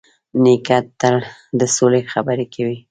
نیکه تل د سولې خبرې کوي.